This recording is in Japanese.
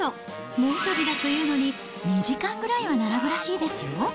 猛暑日だというのに、２時間ぐらいは並ぶらしいですよ。